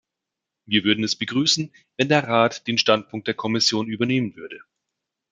Wir würden es begrüßen, wenn der Rat den Standpunkt der Kommission übernehmen würde.